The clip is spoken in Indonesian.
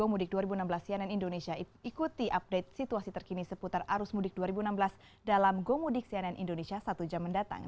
mudik dua ribu enam belas cnn indonesia ikuti update situasi terkini seputar arus mudik dua ribu enam belas dalam gomudik cnn indonesia satu jam mendatang